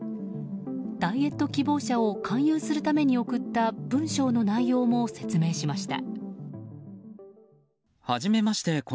ダイエット希望者を勧誘するために送った文章の内容も説明しました。